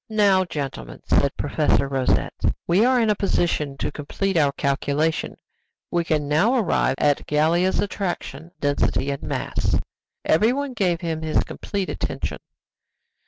"Now, gentlemen," said Professor Rosette, "we are in a position to complete our calculation; we can now arrive at Gallia's attraction, density, and mass." Everyone gave him his complete attention.